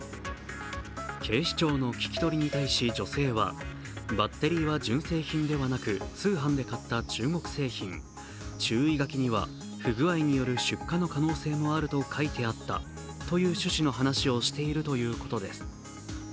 警視庁の聞き取りに対し女性はバッテリーは純正品ではなく通販で買った中国製品、注意書きには不具合による出火の可能性もあると書いてあったという趣旨の話をしているということです。